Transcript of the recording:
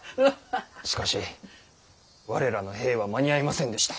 しかし我らの兵は間に合いませんでした。